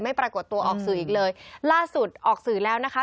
ปรากฏตัวออกสื่ออีกเลยล่าสุดออกสื่อแล้วนะคะ